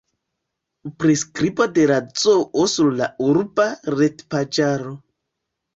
Priskribo de la zoo sur la urba retpaĝaro.